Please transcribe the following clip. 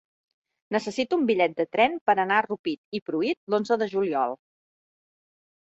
Necessito un bitllet de tren per anar a Rupit i Pruit l'onze de juliol.